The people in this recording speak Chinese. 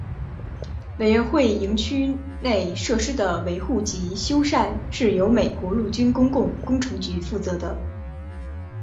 委员会营区内设施的维护及修缮是由美国陆军公共工程局负责的。